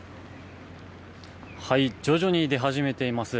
徐々に出始めています。